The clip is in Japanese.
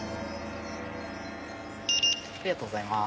ありがとうございます。